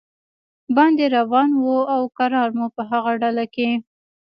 باندې روان و او کرار مو په هغه ډله کې.